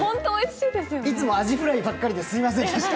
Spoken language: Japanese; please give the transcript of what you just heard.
いつもアジフライばっかりですみません。